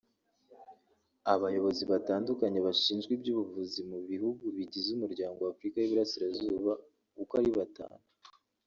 Abayobozi batandukanye bashinzwe iby’ubuvuzi mu bihugu bigize Umuryango w’Afurika y’Uburasirazuba uko ari batanu